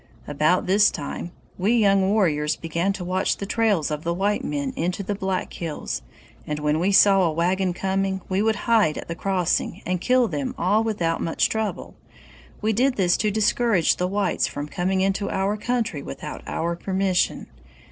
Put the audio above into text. "About this time we young warriors began to watch the trails of the white men into the Black Hills, and when we saw a wagon coming we would hide at the crossing and kill them all without much trouble. We did this to discourage the whites from coming into our country without our permission.